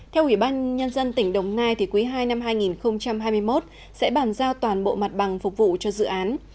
theo ubnd tỉnh đồng nai quý ii năm hai nghìn hai mươi một sẽ bàn giao toàn bộ mặt bằng phục vụ cho dự án